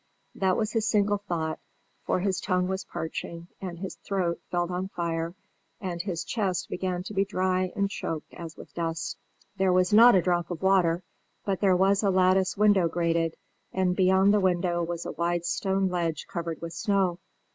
That was his single thought; for his tongue was parching, and his throat felt on fire, and his chest began to be dry and choked as with dust. There was not a drop of water, but there was a lattice window grated, and beyond the window was a wide stone ledge covered with snow.